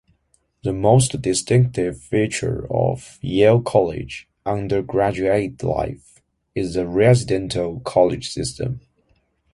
The most distinctive feature of Yale College undergraduate life is the residential college system.